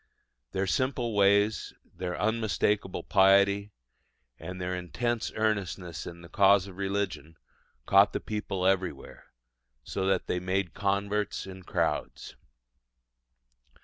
Their simple ways, their unmistakable piety, and their intense earnestness in the cause of religion caught the people everywhere, so that they made converts in crowds.